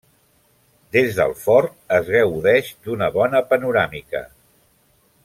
Des del fort es gaudeix d'una bona panoràmica.